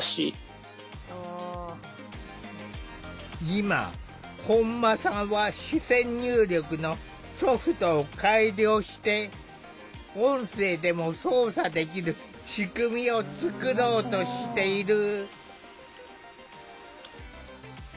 今本間さんは視線入力のソフトを改良して音声でも操作できる仕組みを作ろうとしている。